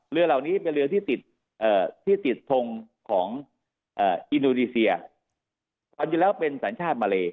เรือเหล่านี้เป็นเรือที่ติดทงของอินโดนีเซียความจริงแล้วเป็นสัญชาติมาเล